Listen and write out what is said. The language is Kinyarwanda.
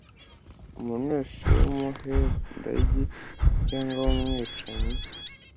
umuntu wese w'umuhendanyi cyangwa w'umwicanyi